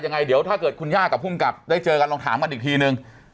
ยังไงเดี๋ยวถ้าเกิดคุณย่ากับภูมิกับได้เจอกันลองถามกันอีกทีนึง